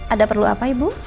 ada perlu apa ibu